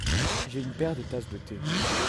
J'ai une paire de tasses de thé.